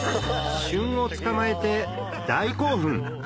旬を捕まえて大興奮！